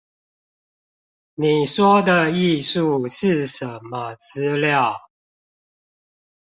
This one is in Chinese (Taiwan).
你說的藝術是什麼資料？